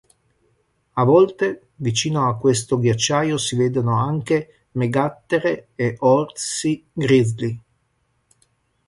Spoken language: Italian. A volte vicino a questo ghiacciaio si vedono anche megattere e orsi grizzly.